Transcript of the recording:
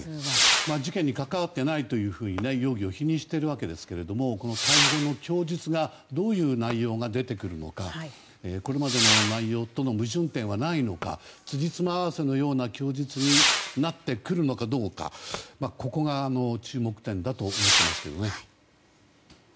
事件に関わっていないと容疑を否認しているわけですけれどもこの逮捕後の供述がどういう内容が出てくるのかこれまでの内容との矛盾点はないかつじつま合わせの供述になっているのかどうかここが注目点だと思います。